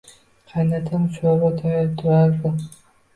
Qaynatma sho‘rva tayyor turardi.